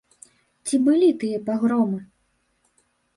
Ці былі тыя пагромы?